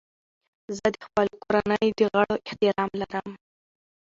زه د خپلو کورنیو د غړو احترام لرم.